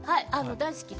大好きで。